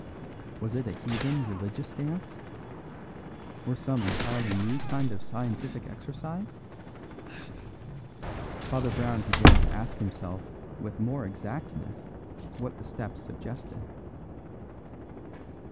Was it a heathen religious dance? Or some entirely new kind of scientific exercise? Father Brown began to ask himself with more exactness what the steps suggested.